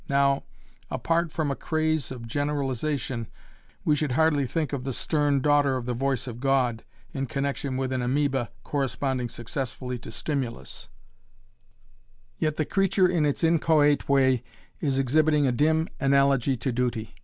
Now, apart from a craze of generalization we should hardly think of the "stern daughter of the voice of God" in connection with an amoeba corresponding successfully to stimulus, yet the creature in its inchoate way is exhibiting a dim analogy to duty.